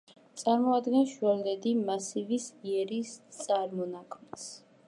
წარმოადგენს შუალედი მასივის იერის წარმონაქმნს.